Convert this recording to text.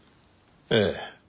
ええ。